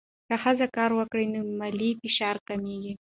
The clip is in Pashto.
که ښځه کار وکړي، نو مالي فشار کمېږي.